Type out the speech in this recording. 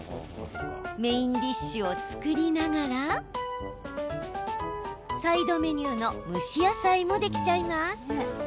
メインディッシュを作りながらサイドメニューの蒸し野菜もできちゃいます。